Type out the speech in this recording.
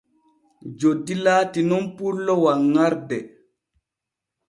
Joddi laati nun pullo wanŋarde.